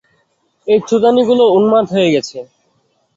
এই চোদানিগুলো উম্মাদ হয়ে গেছে!